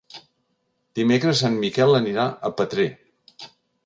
Dimecres en Miquel anirà a Petrer.